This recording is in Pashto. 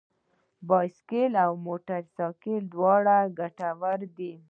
بايسکل او موټر سايکل دواړه ګټور دي.